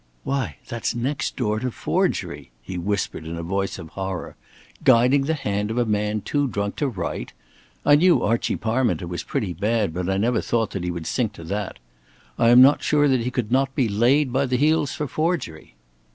"Why, that's next door to forgery!" he whispered, in a voice of horror. "Guiding the hand of a man too drunk to write! I knew Archie Parminter was pretty bad, but I never thought that he would sink to that. I am not sure that he could not be laid by the heels for forgery."